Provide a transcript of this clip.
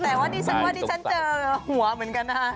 แต่วันนี้ฉันเจอหัวเหมือนกันอ่ะ